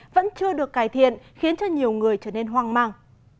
vẫn chưa được cải thiện khiến cho nhiều người trở nên hoang mang